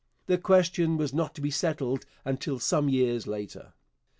The question was not to be settled until some years later.